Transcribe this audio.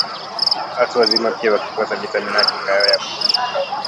Watu wazima pia wakikosa vitamin A kinga yao ya mwili hushuka